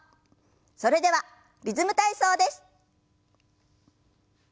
それでは「リズム体操」です。